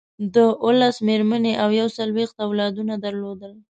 ده اوولس مېرمنې او یو څلویښت اولادونه درلودل.